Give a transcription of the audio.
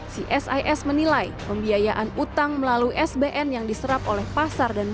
si sis menilai pembiayaan utang melalui sbn yang diserap oleh pasar dan bank